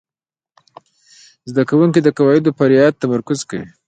زده کوونکي د قواعدو په رعایت تمرکز کاوه.